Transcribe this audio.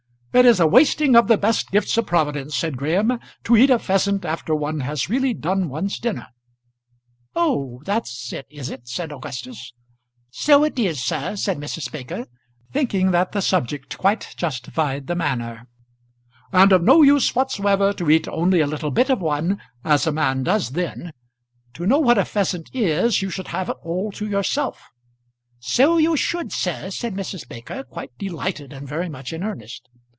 "It is a wasting of the best gifts of Providence," said Graham, "to eat a pheasant after one has really done one's dinner." "Oh, that's it, is it?" said Augustus. "So it is, sir," said Mrs. Baker, thinking that the subject quite justified the manner. "And of no use whatsoever to eat only a little bit of one as a man does then. To know what a pheasant is you should have it all to yourself." "So you should, sir," said Mrs. Baker, quite delighted and very much in earnest.